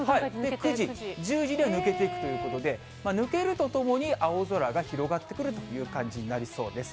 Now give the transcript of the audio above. ９時、１０時には抜けていくということで、抜けるとともに、青空が広がってくるという感じになりそうです。